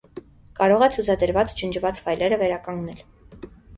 Կարող է ցուցադրված ջնջված ֆայլերը վերականգնել։